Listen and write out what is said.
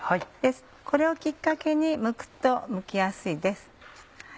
これをキッカケにむくとむきやすいです。